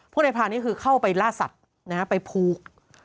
พวกนายพรานคือเข้าไปล่าสัตว์ไหนนะไปพูก